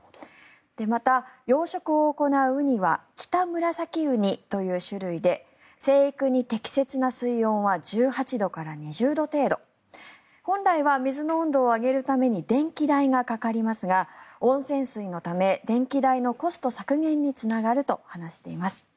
また、養殖を行うウニはキタムラサキウニという種類で生育に適切な水温は１８度から２０度程度本来は水の温度を上げるために電気代がかかりますが温泉水のため電気代のコスト削減につながると話しています。